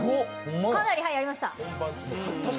かなりやりました。